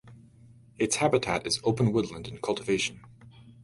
Its habitat is open woodland and cultivation.